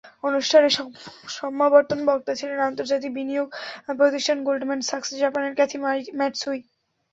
অনুষ্ঠানে সমাবর্তন বক্তা ছিলেন আন্তর্জাতিক বিনিয়োগ প্রতিষ্ঠান গোল্ডম্যান স্যাকস জাপানের ক্যাথি মাটসুই।